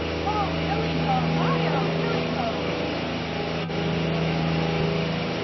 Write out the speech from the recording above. Ho! hilly ho! heigh O! Hilly ho! In the clear October morning.